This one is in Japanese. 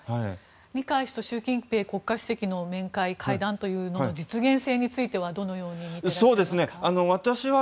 二階氏と習近平国家主席の面会、会談の実現性についてはどうみていらっしゃいますか。